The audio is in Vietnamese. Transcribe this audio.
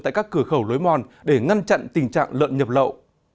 tại các cửa khẩu lối mòn để ngăn chặn tình trạng lợn nhập lậu